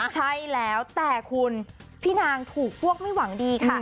ใช่แล้วแต่คุณพี่นางถูกพวกไม่หวังดีค่ะ